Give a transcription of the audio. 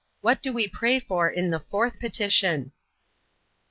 What do we pray for in the fourth petition?